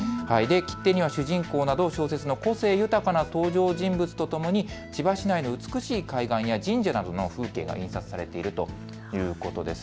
切手には主人公など小説の個性豊かな登場人物とともに千葉市内の美しい海岸や神社などの風景が印刷されているということです。